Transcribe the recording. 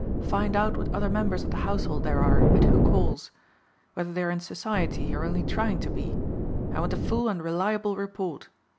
Find out what other members of the household there are, and who calls. Whether they are in society or only trying to be. I want a full and reliable report.